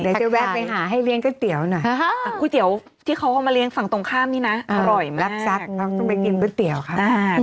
จะแวะไปหาให้เลี้ยงก๋วยเตี๋ยวหน่อยก๋วยเตี๋ยวที่เขาเอามาเลี้ยงฝั่งตรงข้ามนี่นะอร่อยมากซักต้องไปกินก๋วยเตี๋ยวค่ะ